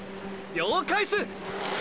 了解す！！